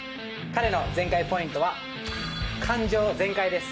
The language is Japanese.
彼の全開ポイントは感情全開です。